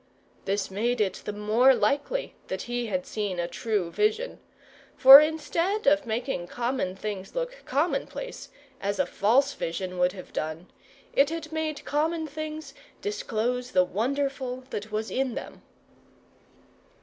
This made it the more likely that he had seen a true vision; for instead of making common things look commonplace, as a false vision would have done, it had made common things disclose the wonderful that was in them.